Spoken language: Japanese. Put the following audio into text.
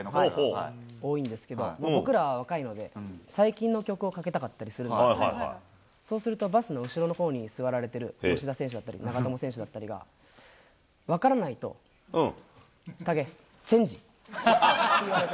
多いんですけど、僕らは若いので、最近の曲をかけたかったりするんですけど、そうすると、バスの後ろのほうに座られてる吉田選手だったり、長友選手だったりが分からないと、タケ、チェンジって言われて。